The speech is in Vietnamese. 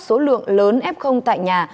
số lượng lớn f tại nhà